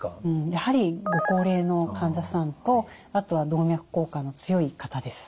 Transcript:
やはりご高齢の患者さんとあとは動脈硬化の強い方です。